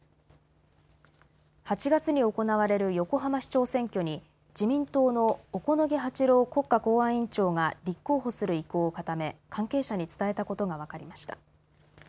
８月に行われる横浜市長選挙に自民党の小此木八郎国家公安委員長が立候補する意向を固め関係者に伝えたことが分かりました。